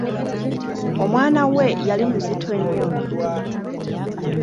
Omwana we yali muzito nnyo.